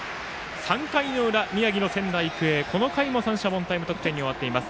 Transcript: ３回の裏、宮城の仙台育英はこの回も三者凡退無得点に終わっています。